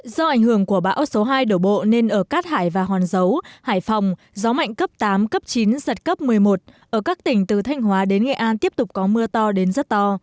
do ảnh hưởng của bão số hai đổ bộ nên ở cát hải và hòn dấu hải phòng gió mạnh cấp tám cấp chín giật cấp một mươi một ở các tỉnh từ thanh hóa đến nghệ an tiếp tục có mưa to đến rất to